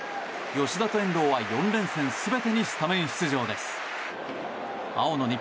吉田と遠藤は４連戦全てにスタメン出場に。